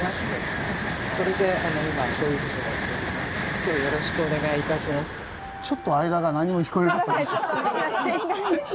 今日よろしくお願いいたします。